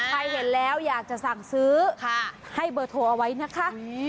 ใครเห็นแล้วอยากจะสั่งซื้อให้เบอร์โทรเอาไว้นะคะ